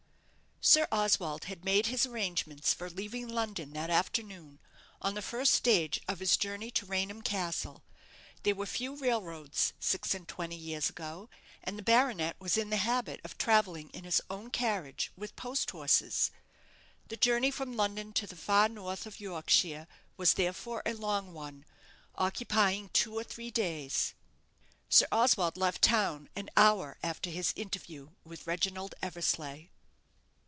Sir Oswald had made his arrangements for leaving London that afternoon, on the first stage of his journey to Raynham Castle. There were few railroads six and twenty years ago, and the baronet was in the habit of travelling in his own carriage, with post horses. The journey from London to the far north of Yorkshire was, therefore, a long one, occupying two or three days. Sir Oswald left town an hour after his interview with Reginald Eversleigh.